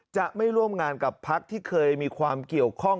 จะไม่ร่วมงานกับพักที่เคยมีความเกี่ยวข้อง